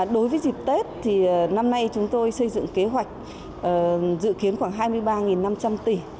đối với dịp tết thì năm nay chúng tôi xây dựng kế hoạch dự kiến khoảng hai mươi ba năm trăm linh tỷ